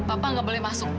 bapak nggak boleh masuk